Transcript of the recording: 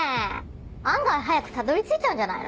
案外早くたどり着いちゃうんじゃないの？